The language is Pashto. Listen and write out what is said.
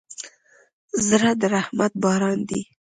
زړه د رحمت باران دی.